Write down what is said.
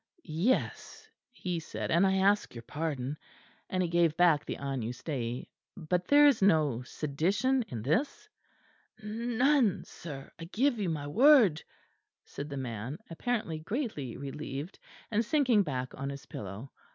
"Yes," he said, "and I ask your pardon." And he gave back the Agnus Dei. "But there is no sedition in this?" "N none, sir, I give you my word," said the man, apparently greatly relieved, and sinking back on his pillow.